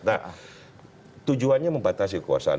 nah tujuannya membatasi kekuasaan